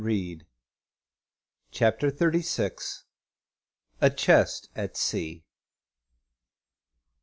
CHAPTER THIRTY SIX. A CHEST AT SEA.